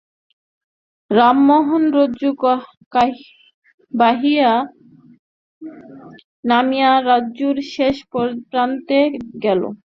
রামমোহন রজ্জু বাহিয়া নামিয়া রজ্জুর শেষ প্রান্তে গেল।